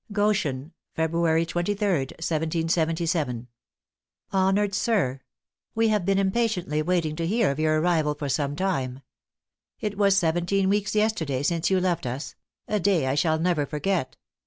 "Goshen, February 23d, 1777. "Honored Sir "We have been impatiently waiting to hear of your arrival for some time. It was seventeen weeks yesterday since you left us a day I shall never forget.